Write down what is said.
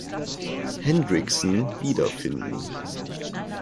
Hendrickson wiederfinden.